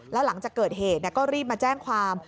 แล้วหลังจากเกิดเหตุก็รีบมาแจ้งความ